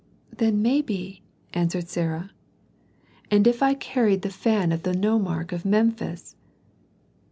"Then maybe " answered Sarah. "And if I carried the fan of the nomarch of Memphis?"